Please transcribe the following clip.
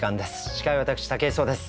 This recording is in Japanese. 司会は私武井壮です。